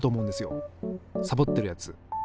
サボってるやつ。